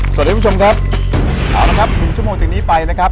สวัสดีคุณผู้ชมนะครับเอาล่ะนะครับ๑ชั่วโมงจากนี้ไปนะครับ